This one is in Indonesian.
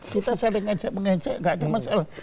kita saling ngecek ngecek enggak ada masalah